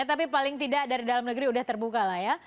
tapi paling tidak dari dalam negeri sudah terbuka lah ya